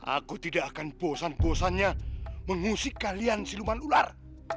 aku tidak akan bosan bosannya mengusik kalian siluman ular